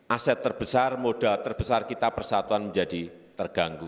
aset terbesar modal terbesar kita persatuan menjadi terganggu